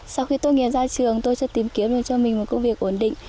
sau khi tôi nghiêm gia trường tôi đã tìm kiếm được cho mình một công việc ổn định